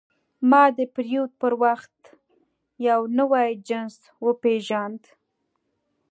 ما د پیرود پر وخت یو نوی جنس وپېژاند.